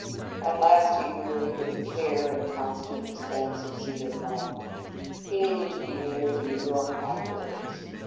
At last he wearied of the care and constant expense of "Cedarcroft." He needed to be near the New York libraries.